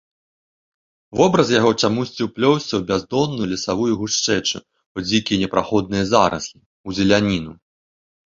Вобраз яго чамусьці ўплёўся ў бяздонную лесавую гушчэчу, у дзікія непраходныя зараслі, у зеляніну.